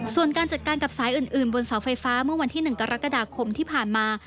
ส่วนการจัดการกับสายอื่นบนเสาไฟฟ้าเมื่อวันที่๑กรกฎาคมที่ผ่านมา